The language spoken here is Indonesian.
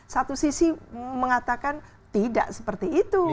satu sisi mengatakan tidak seperti itu